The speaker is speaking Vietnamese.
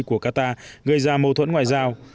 của qatar gây ra mâu thuẫn ngoại giao